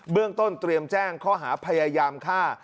เรื่องต้นเตรียมแจ้งข้อหาพยายามฆ่า